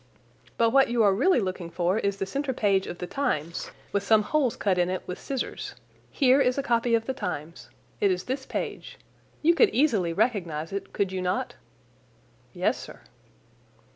"But what you are really looking for is the centre page of the Times with some holes cut in it with scissors. Here is a copy of the Times. It is this page. You could easily recognize it, could you not?" "Yes, sir."